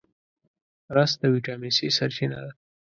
رس د ویټامین C سرچینه ده